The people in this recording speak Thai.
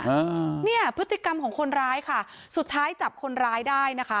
อ่าเนี่ยพฤติกรรมของคนร้ายค่ะสุดท้ายจับคนร้ายได้นะคะ